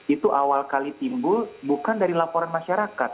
itu awal kali timbul bukan dari laporan masyarakat